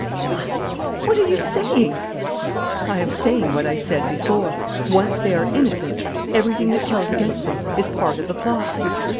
What are you saying?" "I am saying what I said before. Once they are innocent, everything that tells against them is part of the plot."